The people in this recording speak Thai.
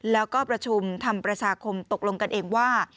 แล้วก็ประชุมทำประชาคมตกลงกันเองว่า